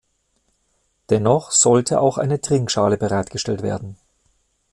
Dennoch sollte auch eine Trinkschale bereitgestellt werden.